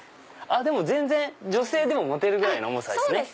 全然女性でも持てるぐらいの重さですね。